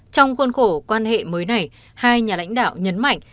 trong khuôn khổ quan hệ mới này hai nhà lãnh đạo nhấn mạnh